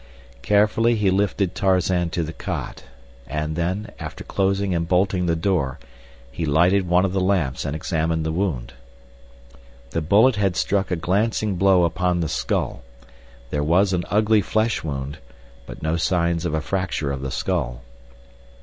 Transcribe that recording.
Carefully he lifted Tarzan to the cot, and then, after closing and bolting the door, he lighted one of the lamps and examined the wound. The bullet had struck a glancing blow upon the skull. There was an ugly flesh wound, but no signs of a fracture of the skull.